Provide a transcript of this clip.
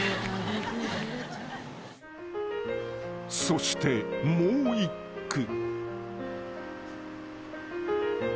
［そしてもう一句］